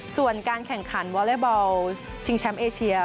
ส่วนการแข่งขันวอเล็กบอลชิงแชมป์เอเชีย